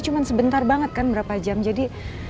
cuma sebentar banget kan berapa jam jadi